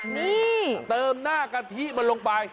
นี่เติมหน้ากะทิมันลงไป